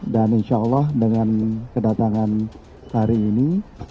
dan insya allah dengan kedatangan hari ini